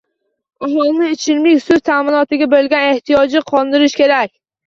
Aholini ichimlik suv taʼminotiga bo‘lgan ehtiyojini qondirish kerak.